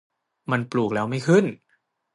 มันปลูกไม่ขึ้น !